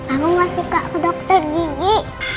aku gak suka ke dokter gigi